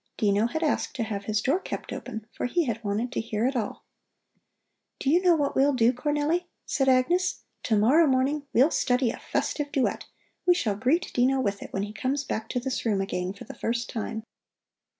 Dino had asked to have his door kept open, for he had wanted to hear it all. "Do you know what we'll do, Cornelli?" said Agnes. "To morrow morning we'll study a festive duet. We shall greet Dino with it when he comes back to this room again for the first time."